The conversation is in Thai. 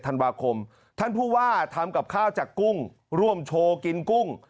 ธันวาคมท่านผู้ว่าทำกับข้าวจากกุ้งร่วมโชว์กินกุ้ง